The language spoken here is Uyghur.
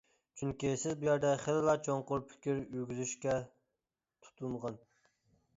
چۈنكى سىز بۇ يەردە خېلىلا چوڭقۇر پىكىر يۈرگۈزۈشكە تۇتۇنغان.